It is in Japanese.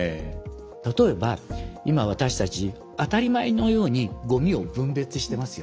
例えば今私たち当たり前のようにごみを分別してますよね。